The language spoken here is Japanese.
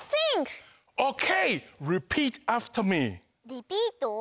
リピート？